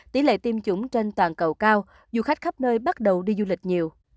tỷ lệ tiêm chủng trên toàn cầu cao du khách khắp nơi bắt đầu đi du lịch nhiều